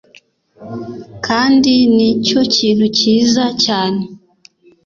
kandi ni cyo kintu cyiza cyane